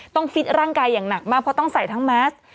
ฟิตร่างกายอย่างหนักมากเพราะต้องใส่ทั้งแมส